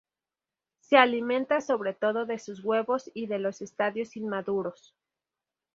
Se alimenta sobre todo de sus huevos y de los estadios inmaduros.